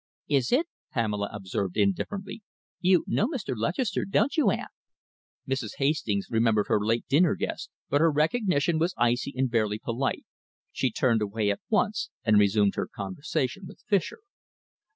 "Is it?" Pamela observed indifferently. "You know Mr. Lutchester, don't you, aunt?" Mrs. Hastings remembered her late dinner guest, but her recognition was icy and barely polite. She turned away at once and resumed her conversation with Fischer.